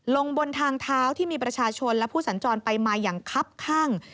ลงบนทางเท้าที่มีประชาชนและผู้สัญจรไปมาอย่างคับข้าง